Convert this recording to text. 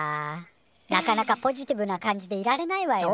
なかなかポジティブな感じでいられないわよね。